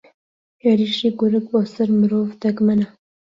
ھێرشی گورگ بۆسەر مرۆڤ دەگمەنە